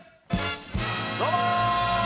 どうも！